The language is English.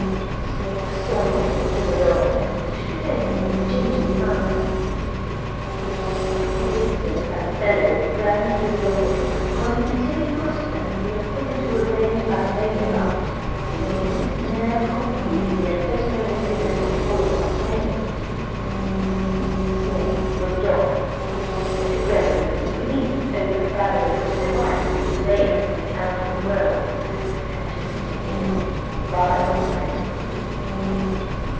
Psmith sauntered to the door and pushed it open in a gingerly manner. As he did so a bellow rang through the office, causing a timid customer, who had come in to arrange about an overdraft, to lose his nerve completely and postpone his business till the following afternoon. Psmith looked up. Mr Gregory was leaning over the barrier which divided his lair from the outer world, and gesticulating violently.